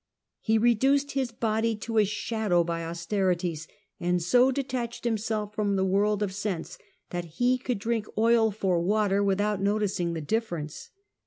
He reduced his body to a shadow by austerities, and so detached himself from the world of sense that he could drink oil for water without noticing the difference.